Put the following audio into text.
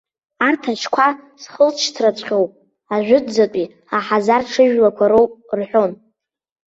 Арҭ аҽқәа зхылҵшьҭраҵәҟьоу ажәытәӡатәи аҳазар-ҽыжәлақәа роуп рҳәон.